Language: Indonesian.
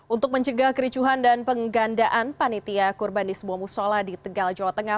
untuk mencegah kericuhan dan penggandaan panitia kurban di sebuah musola di tegal jawa tengah